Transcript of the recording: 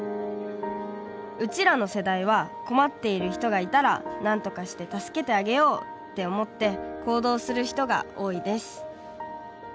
うちらの世代は困っている人がいたらなんとかして助けてあげようって思って行動する人が多いです。